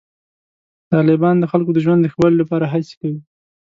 طالبان د خلکو د ژوند د ښه والي لپاره هڅې کوي.